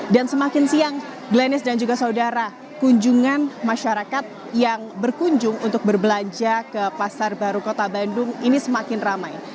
dan semakin siang glenis dan juga saudara kunjungan masyarakat yang berkunjung untuk berbelanja ke pasar baru kota bandung ini semakin ramai